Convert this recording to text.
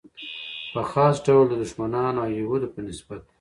په خاص ډول د دښمنانو او یهودو په نسبت.